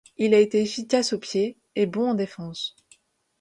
Il a été efficace au pied et bon en défense.